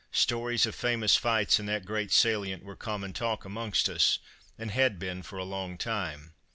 Stories of famous fights in that great salient were common talk amongst us, and had been for a long time.